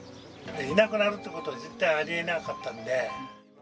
いなくなるということは、絶対ありえなかったんで。